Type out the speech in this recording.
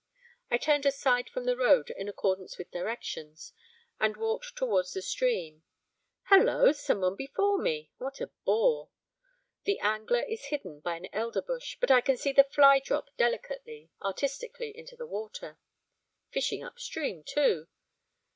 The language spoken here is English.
I turned aside from the road in accordance with directions, and walked towards the stream. Holloa! someone before me, what a bore! The angler is hidden by an elder bush, but I can see the fly drop delicately, artistically on the water. Fishing upstream, too!